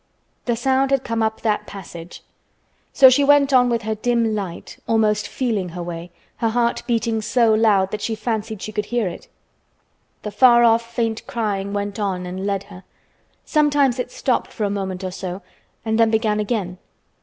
The sound had come up that passage. So she went on with her dim light, almost feeling her way, her heart beating so loud that she fancied she could hear it. The far off faint crying went on and led her. Sometimes it stopped for a moment or so and then began again.